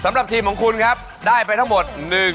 สำหรับทีมของคุณครับได้ไปทั้งหมด